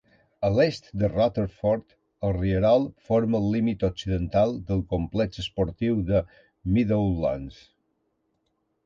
A l'est de Rutherford, el rierol forma el límit occidental del complex esportiu de Meadowlands.